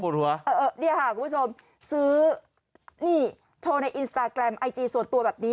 นี่ค่ะคุณผู้ชมซื้อนี่โชว์ในอินสตาแกรมไอจีส่วนตัวแบบนี้